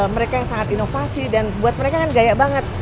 mereka yang sangat inovasi dan buat mereka kan gaya banget